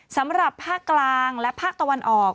สำหรับภาคกลางและภาคตะวันออก